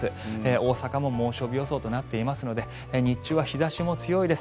大阪も猛暑日予想となっていますので日中は日差しも強いです。